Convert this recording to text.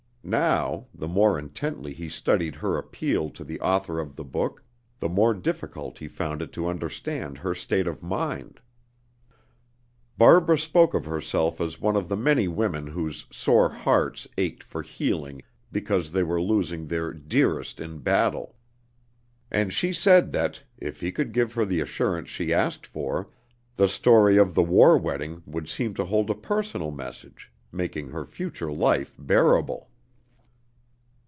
Now, the more intently he studied her appeal to the author of the book, the more difficult he found it to understand her state of mind. Barbara spoke of herself as one of the many women whose "sore hearts" ached for healing because they were losing their "dearest" in battle. And she said that, if he could give her the assurance she asked for, the story of "The War Wedding" would seem to hold a personal message, making her "future life bearable."